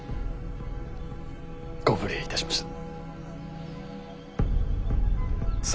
ご無礼いたしました。